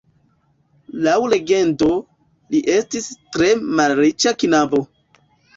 Laŭ legendo, li estis tre malriĉa knabo.